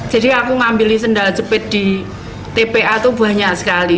jadi aku ngambilin sendal cepit di tpa tuh banyak sekali